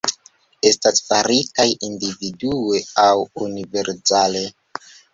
Estas faritaj individue aŭ univerzale.